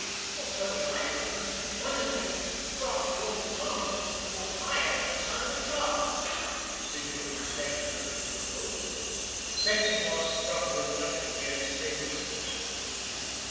"But an Irishman, and one that can talk your own tongue, you won't hire when he's out of a job," insinuated Sammy Durgan reproachfully. The section boss scrubbed reflectively at his chin whiskers.